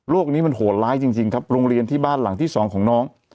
นี้มันโหดร้ายจริงครับโรงเรียนที่บ้านหลังที่สองของน้อง